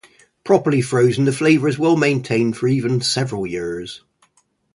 Properly frozen, the flavor is well maintained for even several years.